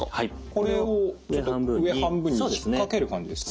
これを上半分に引っ掛ける感じですか。